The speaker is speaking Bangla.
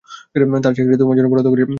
তার চাকরিটা তোমার জন্য বরাদ্দ করেছিলাম।